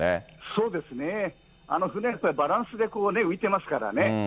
そうですね、船、やっぱりバランスで浮いてますからね。